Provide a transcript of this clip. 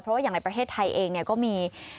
เพราะว่าอย่างในประเทศไทยเองก็มี